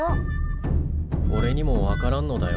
おれにも分からんのだよ。